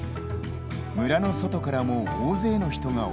村の外からも大勢の人が訪れます。